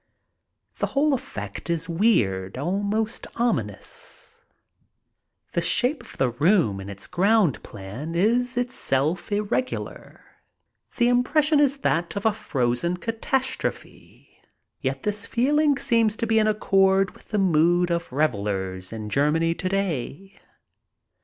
The whole effect is weird, almost ominous. The shape of the room in its ground plan is itself irregular — the impression is that of a frozen catastrophe. Yet this feeling seems to be in accord with the mood of revelers in Germany to day.